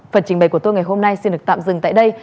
phần trình bày của tôi ngày hôm nay xin được tạm dừng tại đây